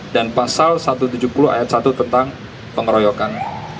dan pasal satu ratus tujuh puluh ayat satu tentang pengeroyokan